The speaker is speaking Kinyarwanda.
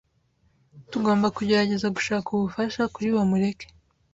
Tugomba kugerageza gushaka ubufasha kuri Bamureke.